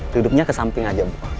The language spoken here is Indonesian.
duduknya ke samping aja bu